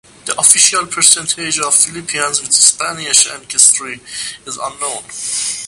The official percentage of Filipinos with Spanish ancestry is unknown.